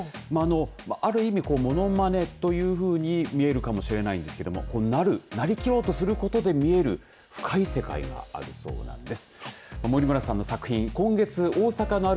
ある意味、ものまねというふうに見えるかもしれないんですがなりきろうとすることで見える深い世界があるそうなんです。